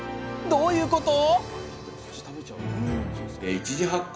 どういうこと？